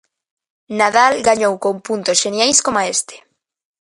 Nadal gañou con puntos xeniais coma este.